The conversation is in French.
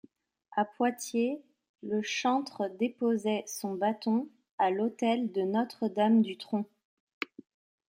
À Poitiers, le chantre déposait son bâton à l'autel de Notre-Dame du Tronc.